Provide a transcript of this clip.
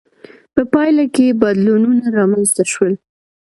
په پایله کې بدلونونه رامنځته شول.